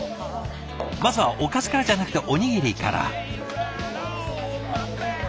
まずはおかずからじゃなくておにぎりから。